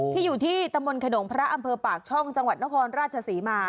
ที่อยู่ที่ตำบลขนมพระอำเภอปากช่องจังหวัดนครราชศรีมา